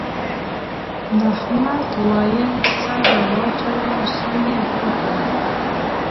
د احمد غوایه سر را واچولو سم یې خوږ کړم.